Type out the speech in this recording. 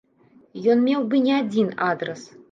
Ён меў бы не адзін адрас.